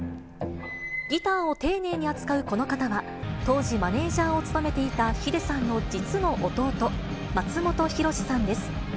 ギターを丁寧に扱うこの方は、当時、マネージャーを務めていたｈｉｄｅさんの実の弟、松本裕士さんです。